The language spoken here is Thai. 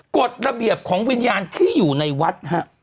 กฎระเบียบของวิญญาณที่อยู่ในวัดฮะ